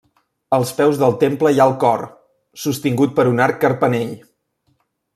Als peus del temple hi ha el cor, sostingut per un arc carpanell.